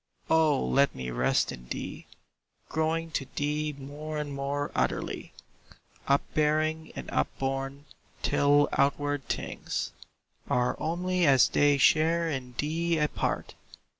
O let me rest in thee, Growing to thee more and more utterly, Upbearing and upborn, till outward things Are only as they share in thee a part!